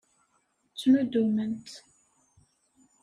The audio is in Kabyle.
Ttnuddument.